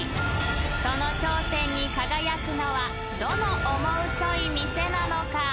［その頂点に輝くのはどのオモウソい店なのか？］